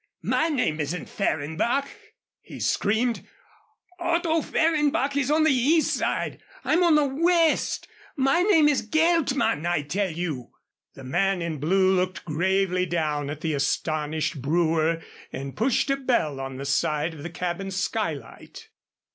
"My name isn't Fehrenbach!" he screamed. "Otto Fehrenbach is on the East Side. I'm on the West. My name is Geltman, I tell you!" The man in blue looked gravely down at the astonished brewer and pushed a bell on the side of the cabin skylight.